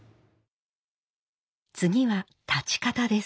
次は立ち方です。